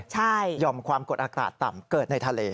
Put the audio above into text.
หย่อมความกดอากาศต่ำเกิดในทะเล